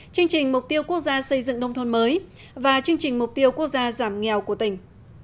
chương trình mục tiêu quốc gia xây dựng nông thôn mới và chương trình mục tiêu quốc gia giảm nghèo của tỉnh